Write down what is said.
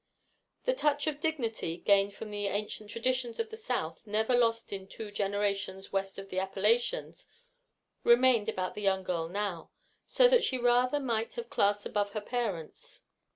The touch of dignity gained of the ancient traditions of the South, never lost in two generations west of the Appalachians, remained about the young girl now, so that she rather might have classed above her parents.